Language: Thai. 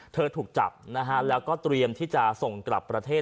ถูกจับนะฮะแล้วก็เตรียมที่จะส่งกลับประเทศ